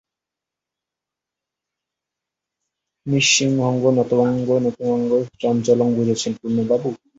নিঃসীমশোভাসৌভাগ্যং নতাঙ্গ্যা নয়নদ্বয়ং অন্যোহন্যালোকনানন্দবিরহাদিব চঞ্চলং– বুঝেছেন পূর্ণবাবু?